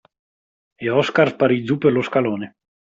E Oscar sparì giù per lo scalone.